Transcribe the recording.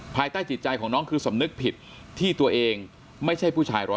ภายใต้จิตใจของน้องคือสำนึกผิดที่ตัวเองไม่ใช่ผู้ชาย๑๐